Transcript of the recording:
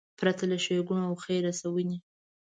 پرته له ښېګړو او خیر رسونې.